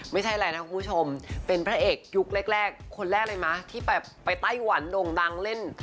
ไม่ใช่อะไรนะคุณผู้ชมเป็นพระเอกยุคแรกคนแรกเลยมั้ยที่ไปไต้หวันโด่งดังเล่น